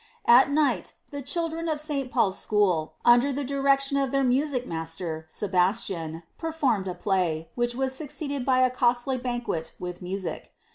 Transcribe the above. At night, the children of Sl PauPs school, under the direction of their music muster, Sebastian, performed a play, which was succeeded by a costly banquet wiih music.